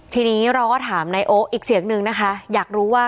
ทีนี้เราก็ถามนายโอ๊คอีกเสียงหนึ่งนะคะอยากรู้ว่า